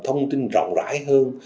thông tin rộng rãi hơn